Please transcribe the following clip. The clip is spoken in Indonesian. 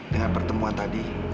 dengan pertemuan tadi